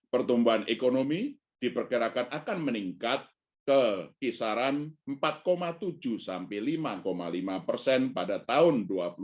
pertumbuhan ekonomi diperkirakan akan meningkat ke kisaran empat tujuh sampai lima lima persen pada tahun dua ribu dua puluh